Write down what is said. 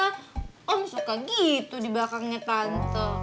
tante ternyata kan tante om suka gitu di bakangnya tante